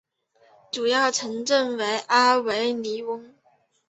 主要城镇为阿维尼翁。